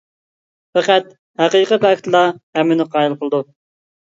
پەقەت ھەقىقىي پاكىتلا ھەممىنى قايىل قىلىدۇ.